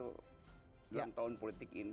dalam tahun politik ini